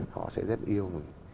họ sẽ rất yêu mình